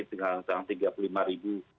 dengan utang tiga puluh lima ribu